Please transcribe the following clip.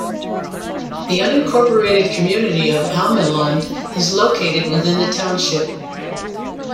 The unincorporated community of Almelund is located within the township.